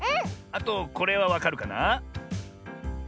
あとこれはわかるかな？